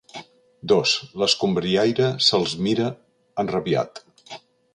Dos L'escombriaire se'ls mira, enrabiat.